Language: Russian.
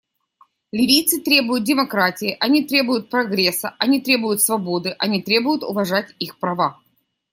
Ливийцы требуют демократии, они требуют прогресса, они требуют свободы, они требуют уважать их права.